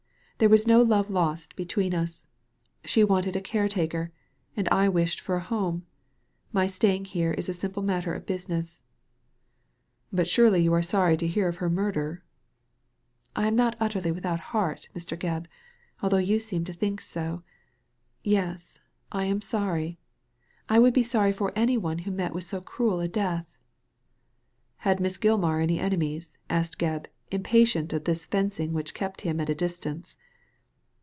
There was no love lost between us. She wanted a caretaker, and I wished for a home. My staying here is a simple matter of business." " But surely you are sorry to hear of her murder? "•*! am not utterly without heart, Mr. Gebb, although you seem to think so. Yes, I am sorry. I would be sorry for any one who met with so cruel a death." " Had Miss Gilmar any enemies ?" asked Gebb, impatient of this fencing which kept him at a distance.